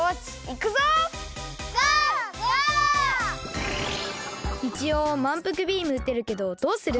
いちおうまんぷくビームうてるけどどうする？